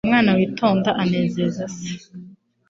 Umwana witonda anezeza se